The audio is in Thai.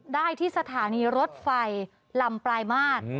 ได้ที่สถานีรถไฟลำปลายมาตร